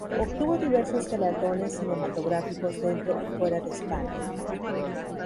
Obtuvo diversos galardones cinematográficos dentro y fuera de España.